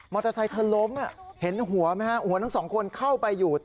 เตอร์ไซค์เธอล้มเห็นหัวไหมฮะหัวทั้งสองคนเข้าไปอยู่